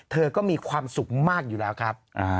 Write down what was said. เธอก็มีความสุขมากอยู่แล้วครับ